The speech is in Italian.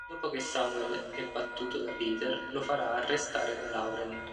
Dopo che Samuel è battuto da Peter, lo farà arrestare da Lauren.